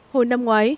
hồi năm ngoái